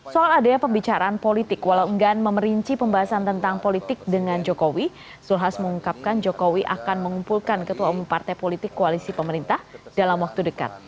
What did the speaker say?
soal adanya pembicaraan politik walau enggan memerinci pembahasan tentang politik dengan jokowi zulkifli hasan mengungkapkan jokowi akan mengumpulkan ketua umum partai politik koalisi pemerintah dalam waktu dekat